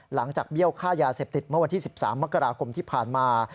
เบี้ยวค่ายาเสพติดเมื่อวันที่๑๓มกราคมที่ผ่านมา